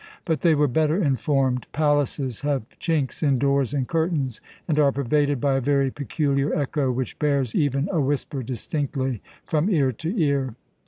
But they were better informed: palaces have chinks in doors and curtains, and are pervaded by a very peculiar echo which bears even a whisper distinctly from ear to ear.